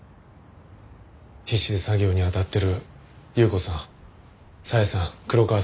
必死で作業にあたっている祐子さん紗英さん黒川さん